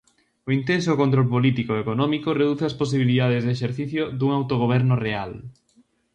O intenso control político e económico reduce as posibilidades de exercicio dun autogoberno real.